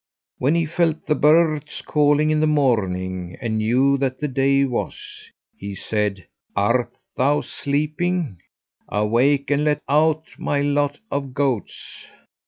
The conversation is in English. "When he felt the birds calling in the morning, and knew that the day was, he said 'Art thou sleeping? Awake and let out my lot of goats.'